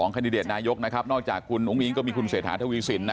คันดิเดตนายกนะครับนอกจากคุณอุ้งอิงก็มีคุณเศรษฐาทวีสินนะ